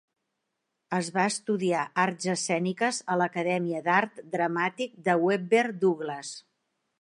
Es va estudiar arts escèniques a l'Acadèmia d'Art Dramàtic de Webber Douglas.